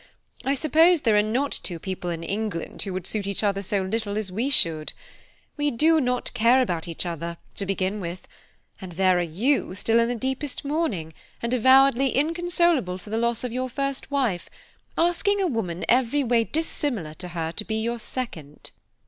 I suppose there are not two people in England who would suit each other so little as we should. We do not care about each other, to begin with; and there are you, still in the deepest mourning, and avowedly inconsolable for the loss of your first wife, asking a woman every way dissimilar to her to be your second."